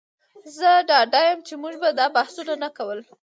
زه ډاډه یم چې موږ به دا بحثونه نه کول